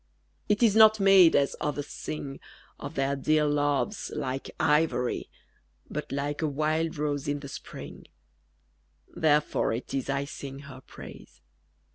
_ It is not made, as others sing Of their dear loves, like ivory, But like a wild rose in the spring: _Therefore it is I sing her praise.